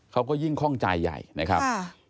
เขาก็ยิ่งคล่องใจใหญ่นะครับ